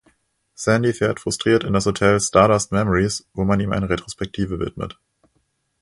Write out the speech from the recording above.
Sandy fährt frustriert in das Hotel „Stardust Memories“, wo man ihm eine Retrospektive widmet.